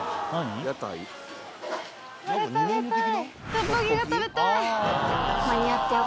これ食べたい。